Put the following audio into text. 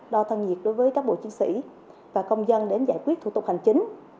đo thân nhiệt đối với các bộ chiến sĩ và công dân đến giải quyết thủ tục hành chính